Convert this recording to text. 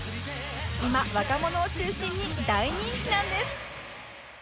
今若者を中心に大人気なんです